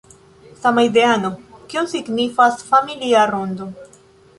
Samideano, kion signifas familia rondo